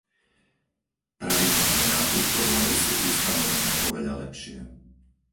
Pravidlá pre nákup tovaru sú ustanovené oveľa lepšie.